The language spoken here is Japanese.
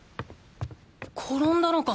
転んだのか？